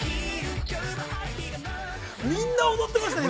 みんな踊ってましたね